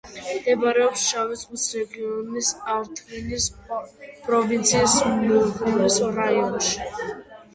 მდებარეობს შავი ზღვის რეგიონის ართვინის პროვინციის მურღულის რაიონში.